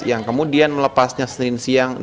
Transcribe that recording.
yang kemudian melepasnya senin siang